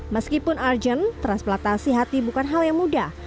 meskipun urgent transplantasi hati bukan hal yang mudah